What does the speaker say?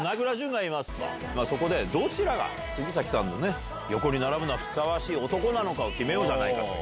そこでどちらが杉咲さんの横に並ぶのがふさわしい男なのかを決めようじゃないかという。